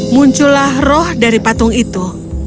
muncullah roh dari patung itu